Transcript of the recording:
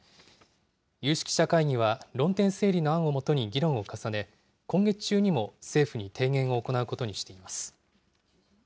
有識者会議は、論点整理の案をもとに議論を重ね、今月中にも政府に提言を行うことにしています。